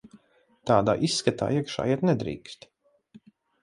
Tādā izskatā iekšā iet nedrīkst.